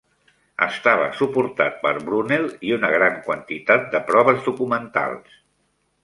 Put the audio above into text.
Estava suportat per Brunel i una gran quantitat de proves documentals.